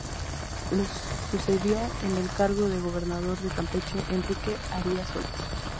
Lo sucedió en el cargo de gobernador de Campeche, Enrique Arias Solís.